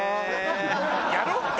やろうか？